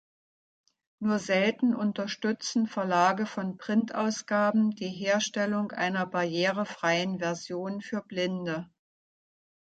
Nur selten unterstützen Verlage von Printausgaben die Herstellung einer „barrierefreien“ Version für Blinde.